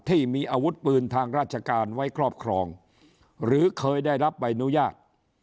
ที่มีอาวุธปืนทางราชการไว้ครอบครองหรือเคยได้รับใบอนุญาต